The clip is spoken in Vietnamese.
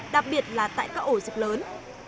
đặc biệt là tại các ổ dịch lớn